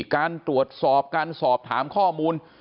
การตรวจสอบการสอบถามข้อมูล